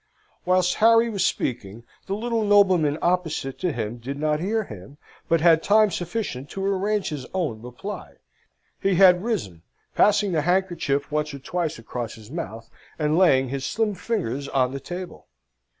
Whilst Harry was speaking, the little nobleman opposite to him did not hear him, but had time sufficient to arrange his own reply. He had risen, passing his handkerchief once or twice across his mouth, and laying his slim fingers on the table.